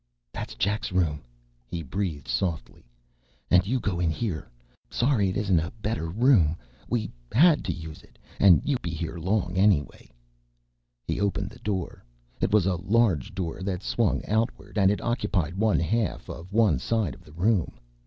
"That's Jack's room," he breathed softly, "and you go in here. Sorry it isn't a better room. We had to use it, and you won't be here long, anyway." He opened the door. It was a large door that swung outward, and it occupied one half of one side of the room.